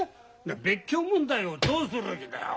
別居問題をどうする気だよ？